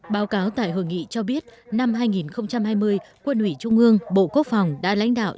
báo cáo tại hội nghị cho biết năm hai nghìn hai mươi quân ủy trung ương bộ quốc phòng đã lãnh đạo